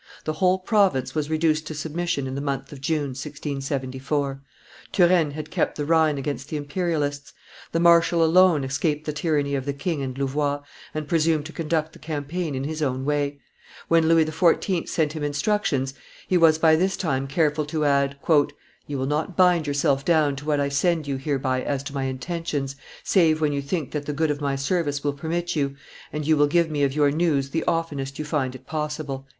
The whole province was reduced to submission in the month of June, 1674. Turenne had kept the Rhine against the Imperialists; the marshal alone escaped the tyranny of the king and Louvois, and presumed to conduct the campaign in his own way; when Louis XIV. sent him instructions, he was by this time careful to add, "You will not bind yourself down to what I send you hereby as to my intentions, save when you think that the good of my service will permit you, and you will give me of your news the oftenest you find it possible."